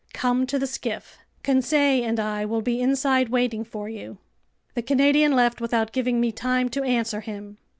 Come to the skiff. Conseil and I will be inside waiting for you." The Canadian left without giving me time to answer him.